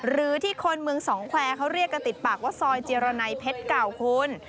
หรือที่คนเมืองสองแควร์เขาเรียกกันติดปากว่าซอยเจรนัยเพชรเก่าคุณ